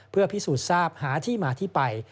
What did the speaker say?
เพื่อพิสูจน์ทราบหาที่มาที่ไป